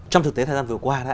trong thực tế thời gian vừa qua